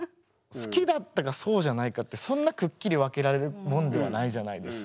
好きだったかそうじゃないかってそんなくっきり分けられるもんではないじゃないですか。